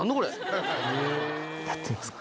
やってみますか？